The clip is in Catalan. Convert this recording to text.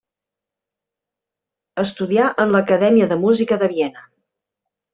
Estudià en l'Acadèmia de Música de Viena.